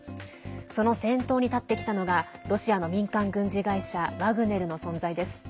その先頭に立ってきたのがロシアの民間軍事会社ワグネルの存在です。